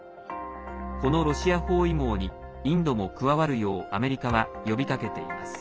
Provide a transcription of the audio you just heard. このロシア包囲網にインドも加わるようアメリカは呼びかけています。